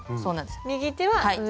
右手は上。